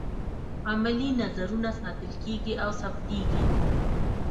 عملي نظرونه ساتل کیږي او ثبتیږي.